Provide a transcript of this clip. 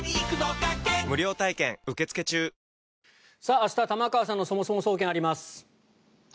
明日は玉川さんのそもそも総研があります。